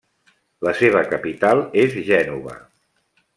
La seva capital és Gènova.